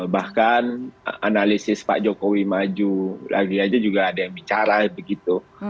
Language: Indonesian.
bahkan analisis pak jokowi maju lagi aja juga ada yang bicara begitu